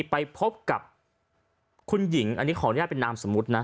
ไปพบกับคุณหญิงอันนี้ขออนุญาตเป็นนามสมมุตินะ